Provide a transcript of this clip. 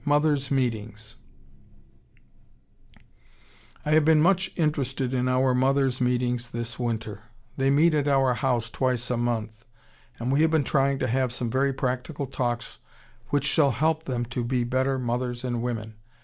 MOTHERS' MEETINGS I have been much interested in our Mothers' Meetings this winter. They meet at our house twice a month, and we have been trying to have some very practical talks which shall help them to be better mothers and women.